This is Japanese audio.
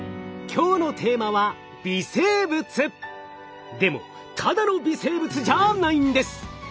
今日のテーマはでもただの微生物じゃないんです！